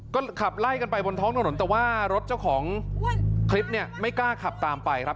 ก็ขับไล่กันไปบนท้องถนนแต่ว่ารถเจ้าของคลิปเนี่ยไม่กล้าขับตามไปครับ